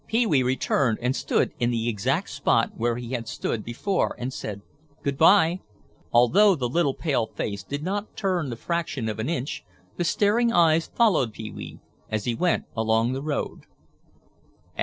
Pee wee returned and stood in the exact spot where he had stood before and said, "Good by." Although the little pale face did not turn the fraction of an inch, the staring eyes followed Pee wee as he went along the road.